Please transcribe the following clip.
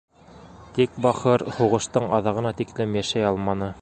Тик, бахыр, һуғыштың аҙағына тиклем йәшәй алманы.